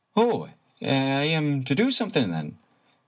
" Oh, I am to do something, then